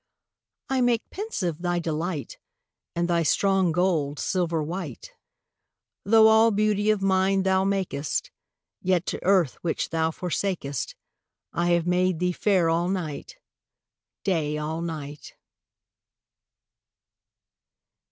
I make pensive thy delight, And thy strong gold silver white. Though all beauty of nine thou makest, Yet to earth which thou forsakest I have made thee fair all night, Day all night.